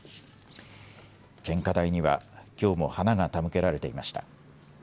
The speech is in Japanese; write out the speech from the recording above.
献花台にはきょうも花が手向けられていました。